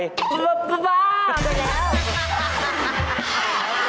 บ้าจริงแล้ว